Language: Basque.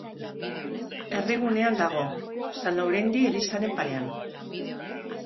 Herrigunean dago, San Laurendi elizaren parean.